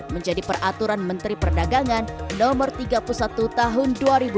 menjadi peraturan menteri perdagangan no tiga puluh satu tahun dua ribu dua puluh